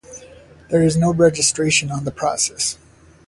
There is no registration on the process.